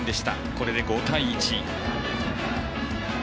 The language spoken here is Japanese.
これで５対１。